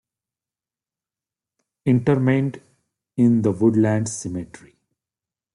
Interment in The Woodlands Cemetery.